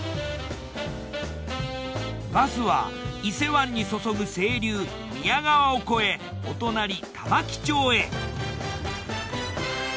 バスは伊勢湾に注ぐ清流宮川を越えお隣玉城町へ。